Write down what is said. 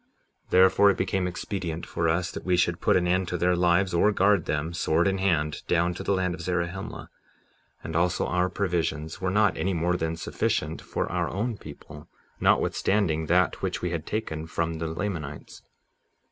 57:15 Therefore it became expedient for us, that we should put an end to their lives, or guard them, sword in hand, down to the land of Zarahemla; and also our provisions were not any more than sufficient for our own people, notwithstanding that which we had taken from the Lamanites.